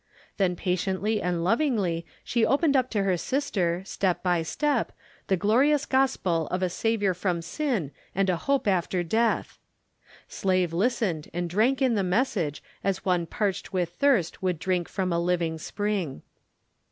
Then patiently and lovingly she opened up to her sister, step by step, the glorious Gospel of a Saviour from sin and a hope after death. Slave listened and drank in the message as one parched with thirst would drink from a living spring.